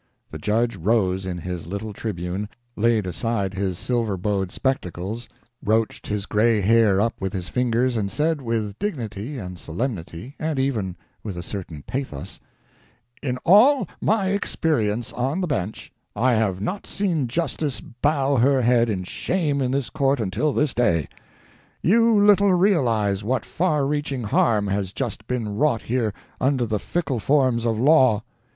The judge rose in his little tribune, laid aside his silver bowed spectacles, roached his gray hair up with his fingers, and said, with dignity and solemnity, and even with a certain pathos: "In all my experience on the bench, I have not seen justice bow her head in shame in this court until this day. You little realize what far reaching harm has just been wrought here under the fickle forms of law.